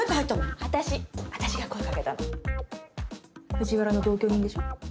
藤原の同居人でしょ？